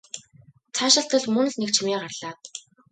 Цаашилтал мөн л нэг чимээ гарлаа.